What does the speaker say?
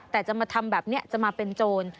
แต่จะมาทำแบบนี้จะมาเป็นโจร